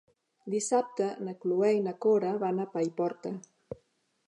Dissabte na Cloè i na Cora van a Paiporta.